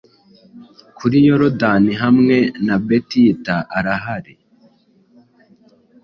Kuri Yorodani hamwe na Batiita, arahari